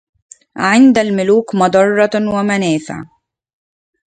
عند الملوك مضرة ومنافع